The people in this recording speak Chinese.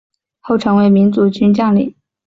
后成为民族军将领。